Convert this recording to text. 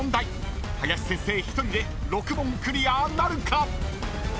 ［林先生１人で６問クリアなるか⁉］